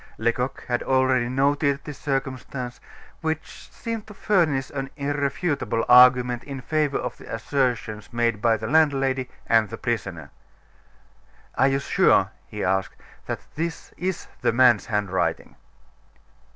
Lecoq had already noted this circumstance, which seemed to furnish an irrefutable argument in favor of the assertions made by the landlady and the prisoner. "Are you sure," he asked, "that this is the man's handwriting?"